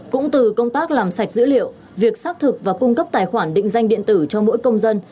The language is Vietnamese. cũng từ công tác làm sạch dữ liệu việc xác thực và cung cấp tài khoản định danh điện tử cho mỗi công dân